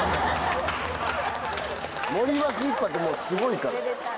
森脇一派ってもうすごいから。